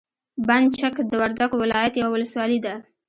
بند چک د وردګو ولایت یوه ولسوالي ده.